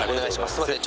すみません。